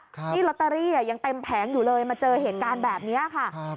นี่ลอตเตอรี่ยังเต็มแผงอยู่เลยมาเจอเหตุการณ์แบบนี้ค่ะครับ